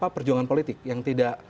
perjuangan politik yang tidak